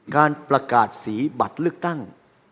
การประกาศสีบัตรเลือกตั้ง